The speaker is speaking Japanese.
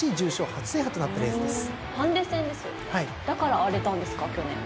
だから荒れたんですか？